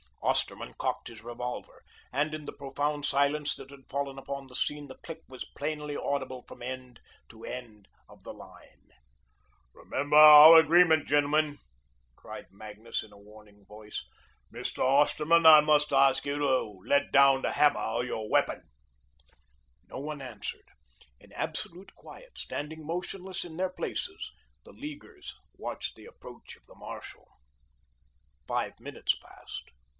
Osterman cocked his revolver, and in the profound silence that had fallen upon the scene, the click was plainly audible from end to end of the line. "Remember our agreement, gentlemen," cried Magnus, in a warning voice. "Mr. Osterman, I must ask you to let down the hammer of your weapon." No one answered. In absolute quiet, standing motionless in their places, the Leaguers watched the approach of the marshal. Five minutes passed.